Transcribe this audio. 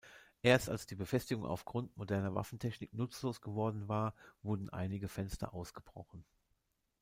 Erst als die Befestigung aufgrund moderner Waffentechnik nutzlos geworden war, wurden einige Fenster ausgebrochen.